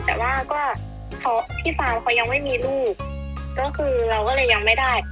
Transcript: แต่ว่าก็เพราะพี่สาวเขายังไม่มีลูกก็คือเราก็เลยยังไม่ได้